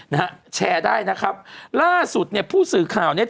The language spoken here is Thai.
นะฮะแชร์ได้นะครับล่าสุดเนี่ยผู้สื่อข่าวเนี้ย